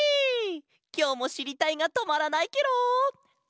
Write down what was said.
きょうもしりたいがとまらないケロ！